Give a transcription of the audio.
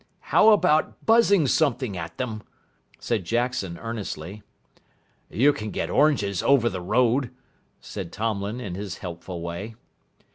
"How about buzzing something at them?" said Jackson earnestly. "You can get oranges over the road," said Tomlin in his helpful way.